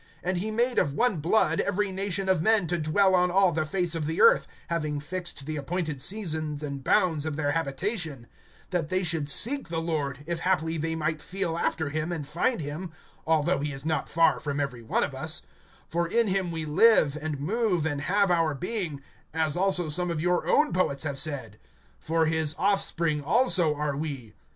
(26)And he made of one blood every nation of men to dwell on all the face of the earth, having fixed the appointed seasons and bounds of their habitation; (27)that they should seek the Lord, if haply they might feel after him, and find him, although he is not far from every one of us; (28)for in him we live, and move, and have our being; as also some of your own poets have said: For his offspring also are we.